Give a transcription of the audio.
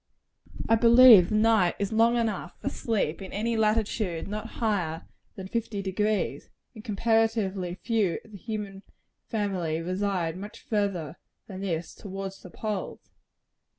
I believe the night is long enough for sleep in any latitude not higher than fifty degrees; and comparatively few of the human family reside much farther than this towards the poles.